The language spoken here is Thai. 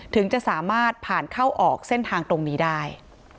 ถึงจะสามารถผ่านเข้าออกเส้นทางตรงนี้ได้